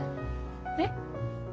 えっ？